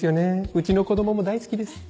うちの子供も大好きです。